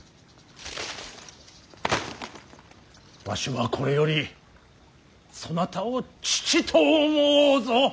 わしはこれよりそなたを父と思おうぞ。